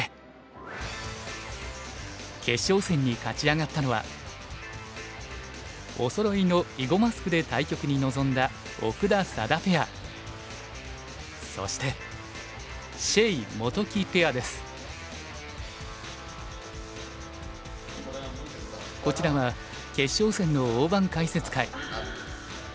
決勝戦に勝ち上がったのはおそろいの囲碁マスクで対局に臨んだそしてこちらは決勝戦の大盤解説会。